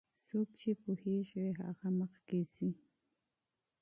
څوک چې پوهیږي هغه مخکې ځي.